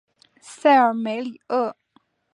塞尔梅里厄。